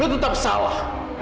lo tetap salah